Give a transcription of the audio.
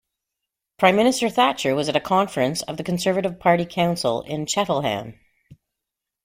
Prime Minister Thatcher was at a conference of the Conservative Party Council in Cheltenham.